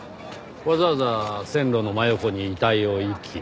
わざわざ線路の真横に遺体を遺棄。